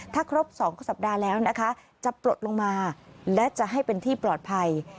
ถ้าครบ๒สัปดาห์แล้วนะคะจะปลดลงมาและจะให้เป็นที่ปลอดภัย